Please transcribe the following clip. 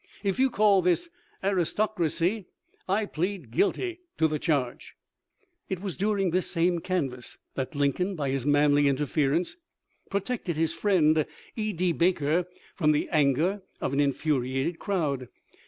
If you call this aristocracy I plead guilty to the charge." * It was during this same canvass that Lincoln by his manly interference protected his friend E. D. Baker from the anger of an infuriated cpwd.